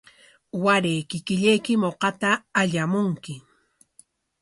Waray kikillaykim uqata allamunki.